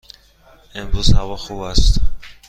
امروز هوا خوب است.